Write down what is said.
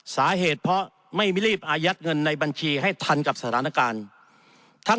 สาเหตุเพราะไม่รีบอายัดเงินในบัญชีให้ทันกับสถานการณ์ทั้ง